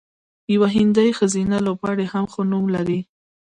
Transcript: یوه هندۍ ښځینه لوبغاړې هم ښه نوم لري.